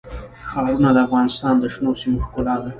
ښارونه د افغانستان د شنو سیمو ښکلا ده.